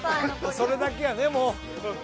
それだけやねもう。